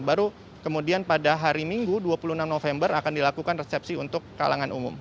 baru kemudian pada hari minggu dua puluh enam november akan dilakukan resepsi untuk kalangan umum